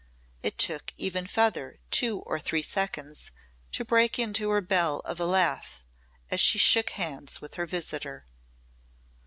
It took even Feather two or three seconds to break into her bell of a laugh as she shook hands with her visitor.